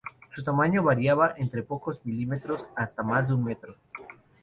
Su tamaño variaba entre pocos milímetros hasta más de un metro.